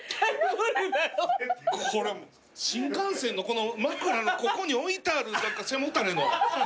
これ新幹線の枕のここに置いてある背もたれの。